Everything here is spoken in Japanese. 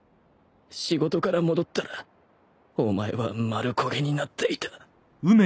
仕事から戻ったらお前は丸焦げになっていた